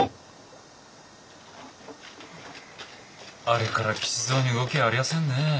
あれから吉蔵に動きはありやせんねぇ。